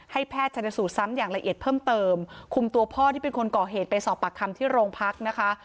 แพทย์ชนสูตรซ้ำอย่างละเอียดเพิ่มเติมคุมตัวพ่อที่เป็นคนก่อเหตุไปสอบปากคำที่โรงพักนะคะ